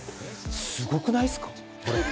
すごくないですか？